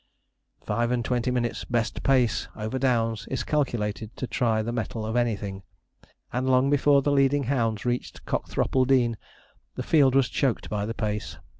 Five and twenty minutes best pace over downs is calculated to try the mettle of anything; and, long before the leading hounds reached Cockthropple Dean, the field was choked by the pace.